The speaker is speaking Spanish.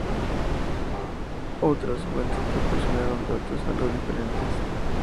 Otras fuentes proporcionan datos algo diferentes.